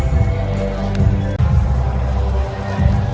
สโลแมคริปราบาล